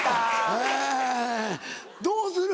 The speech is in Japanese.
えぇどうする？